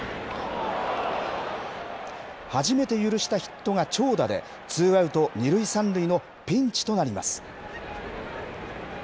初めて許したヒットが長打で、ツーアウト２塁３塁のピンチとなります。